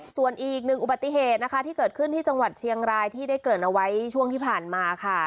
ส่วนอีกหนึ่งอุบัติเหตุนะคะที่เกิดขึ้นที่จังหวัดเชียงรายที่ได้เกริ่นเอาไว้ช่วงที่ผ่านมาค่ะ